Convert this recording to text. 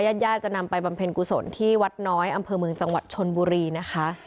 ญาติญาติจะนำไปบำเพ็ญกุศลที่วัดน้อยอำเภอเมืองจังหวัดชนบุรีนะคะ